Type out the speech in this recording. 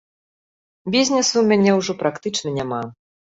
Бізнесу ў мяне ўжо практычна няма.